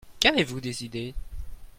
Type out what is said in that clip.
Qu'avez-vous décidé ?